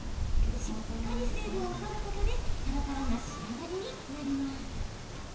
しっかり水分を取ることでぱらぱらな仕上がりになります。